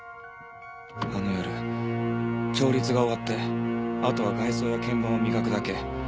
あの夜調律が終わってあとは外装や鍵盤を磨くだけ。